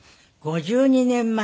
５２年前。